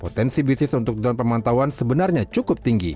potensi bisnis untuk drone pemantauan sebenarnya cukup tinggi